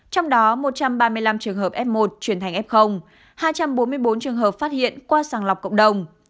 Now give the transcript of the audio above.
trong đó một trăm ba mươi năm trường hợp f một chuyển thành f hai trăm bốn mươi bốn trường hợp phát hiện qua sàng lọc cộng đồng